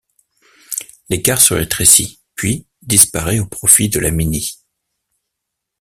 L’écart se rétrécit puis disparaît au profit de la Mini.